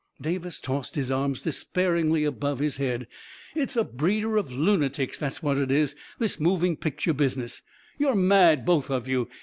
Davis tossed his arms despairingly above his head. 44 It's a breeder of lunatics, that's what it is — this moving picture business ! You're mad, both of you